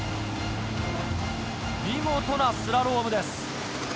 見事なスラロームです。